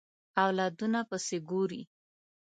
اولادونو پسې ګوري